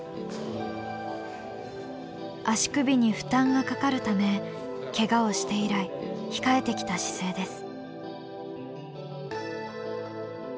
足首に負担がかかるためけがをして以来控えてきた姿勢です。